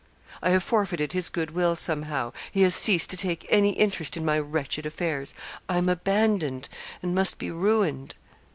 'I have forfeited his good will somehow he has ceased to take any interest in my wretched affairs; I am abandoned, and must be ruined.'